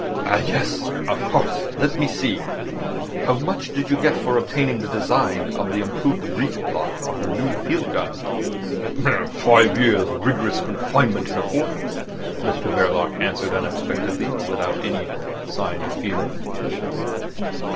"Ah! Yes. Of course. Let's see. How much did you get for obtaining the design of the improved breech block of their new field gun?" "Five years' rigorous confinement in a fortress," Mr Verloc answered unexpectedly, but without any sign of feeling.